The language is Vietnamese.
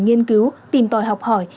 nghiên cứu tìm tòi học hỏi